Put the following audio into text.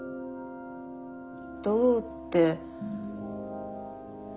どうって。